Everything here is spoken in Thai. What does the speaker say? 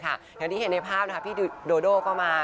อย่างที่เห็นในภาพพี่โดโดก็มา